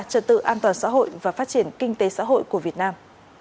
trật tự an toàn xã hội và phát triển kinh tế xã hội của việt nam